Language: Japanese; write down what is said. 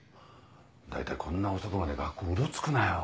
大体こんな遅くまで学校うろつくなよ。